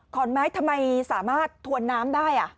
ขอนไม้ทำไมสามารถถวนน้ำได้